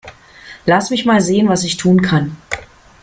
Lass mich mal sehen, was ich tun kann.